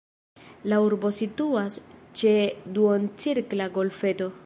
La urbo situas ĉe duoncirkla golfeto.